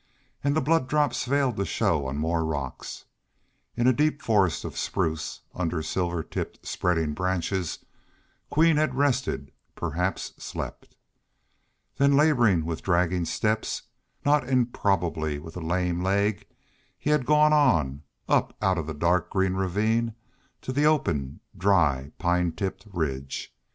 And the blood drops failed to show on more rocks. In a deep forest of spruce, under silver tipped spreading branches, Queen had rested, perhaps slept. Then laboring with dragging steps, not improbably with a lame leg, he had gone on, up out of the dark green ravine to the open, dry, pine tipped ridge.